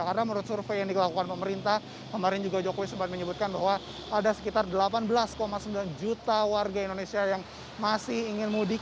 karena menurut survei yang dilakukan pemerintah kemarin juga jokowi sempat menyebutkan bahwa ada sekitar delapan belas sembilan juta warga indonesia yang masih ingin mudik